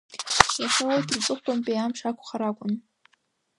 Иахьа урҭ рҵыхәтәантәи амш акәхар акәын.